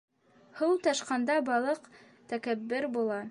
Һыу ташҡанда балыҡ тәкәббер була.